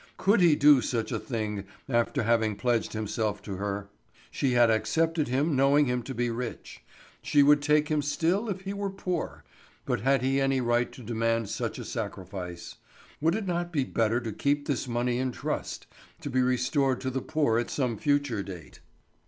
Could he do such a thing after having pledged himself to her? She had accepted him knowing him to be rich. She would take him still if he were poor; but had he any right to demand such a sacrifice? Would it not be better to keep this money in trust, to be restored to the poor at some future date.